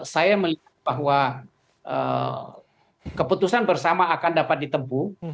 saya melihat bahwa keputusan bersama akan dapat ditempuh